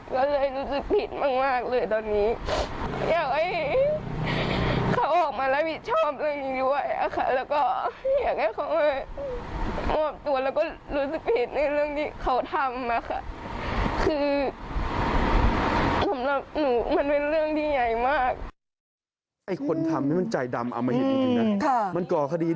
ก็เลยรู้สึกผิดมากเลยตอนนี้